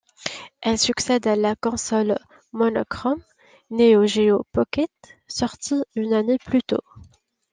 Elle succède à la console monochrome Neo-Geo Pocket, sortie une année plus tôt.